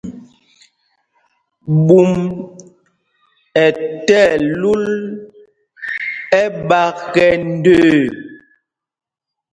Ɓûm ɛ tí ɛlúl ɛ́ɓāk ɛ ndəə.